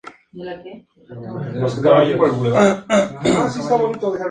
El falso Shemp simplemente aparecía y desaparecía del argumento.